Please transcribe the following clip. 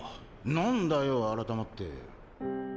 何だよ改まって。